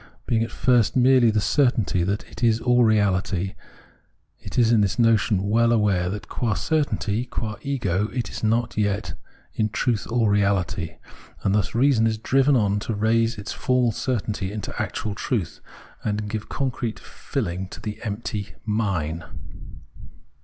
Being at first merely the certainty that it is all reahty, it is in this notion well aware that qua certainty, qua ego, it is not yet in truth all reality ; and thus reason is driven on to raise its formal certainty into actual truth, and give concrete filling to the empty ' mine.'